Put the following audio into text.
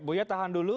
buya tahan dulu